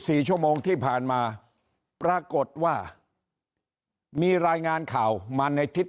สี่ชั่วโมงที่ผ่านมาปรากฏว่ามีรายงานข่าวมาในทิศ